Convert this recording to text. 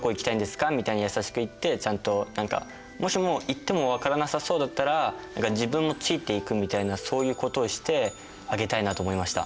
みたいに優しく言ってちゃんと何かもしも言っても分からなさそうだったら自分もついていくみたいなそういうことをしてあげたいなと思いました。